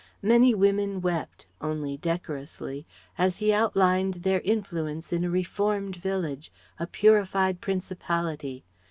Many women wept, only decorously, as he outlined their influence in a reformed village, a purified Principality.